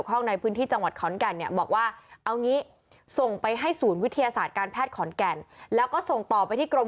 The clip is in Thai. ตรวจมันมีอะไรกันไหม